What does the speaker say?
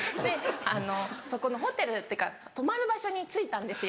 そこのホテルっていうか泊まる場所に着いたんですよ。